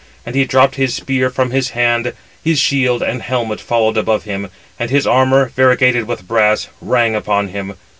And he dropped his spear from his hand, his shield and helmet followed above him, and his armour, variegated with brass, rang upon him.